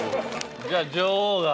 じゃあ女王が。